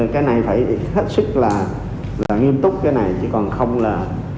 cái này phải hết sức là nghiêm túc cái này chỉ còn không là